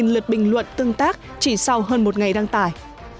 lượt bình luận tương tác chỉ sau hơn một ngày đăng tải